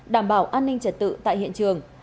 đảm bảo an ninh trật tự tại hiện trường